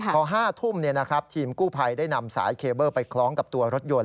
พอ๕ทุ่มทีมกู้ภัยได้นำสายเคเบิ้ลไปคล้องกับตัวรถยนต์